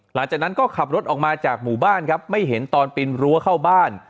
หลังจากนั้นก็ขับรถออกมาจากหมู่บ้านครับไม่เห็นตอนปีนรั้วเข้าบ้าน